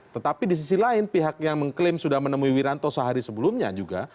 tetapi di sisi lain pihak yang mengklaim sudah menemui wiranto sehari sebelumnya juga